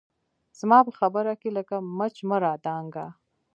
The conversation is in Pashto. زما په خبره کښې لکه مچ مه رادانګه